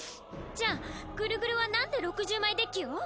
じゃあグルグルはなんで６０枚デッキを？